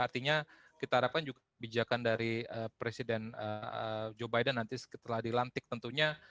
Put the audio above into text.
artinya kita harapkan juga bijakan dari presiden joe biden nanti setelah dilantik tentunya